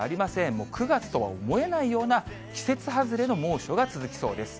もう９月とは思えないような、季節外れの猛暑が続きそうです。